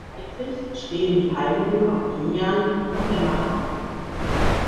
Seitlich stehen die Heiligen Korbinian und Emmeram.